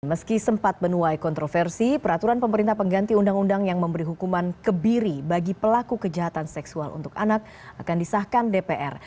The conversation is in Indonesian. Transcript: meski sempat menuai kontroversi peraturan pemerintah pengganti undang undang yang memberi hukuman kebiri bagi pelaku kejahatan seksual untuk anak akan disahkan dpr